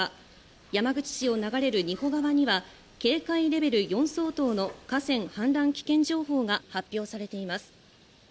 山口市を流れる仁保川では警戒レベル４相当の河川氾濫危険情報が発表されています。